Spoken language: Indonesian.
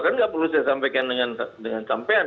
kan tidak perlu saya sampaikan dengan sampean kan